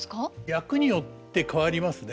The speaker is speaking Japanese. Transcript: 役によって変わりますね。